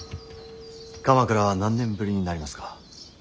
鎌倉は何年ぶりになりますか。